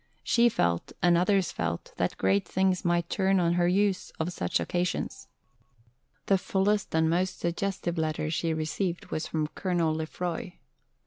She felt, and others felt, that great things might turn on her use of such occasions. The fullest and most suggestive letter which she received was from Colonel Lefroy.